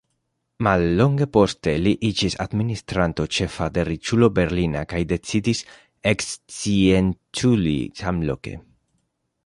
Mallonge poste li iĝis administranto ĉefa de riĉulo berlina kaj decidis ekscienculi samloke.